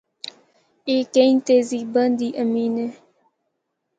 اے کئی تہذیباں دی امین ہے۔